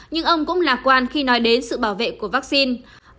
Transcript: nhưng ông cũng lạc quan khi nói đến sự bảo vệ của vaccine